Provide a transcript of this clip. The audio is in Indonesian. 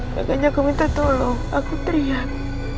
makanya aku minta tolong aku teriak